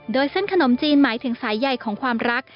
โดยเส้นขนมจีนหมายถึงสายใหญ่ของความรัก